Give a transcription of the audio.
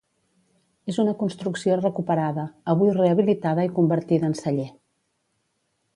És una construcció recuperada, avui rehabilitada i convertida en celler.